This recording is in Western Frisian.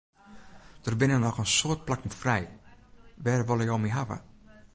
Der binne noch in soad plakken frij, wêr wolle jo my hawwe?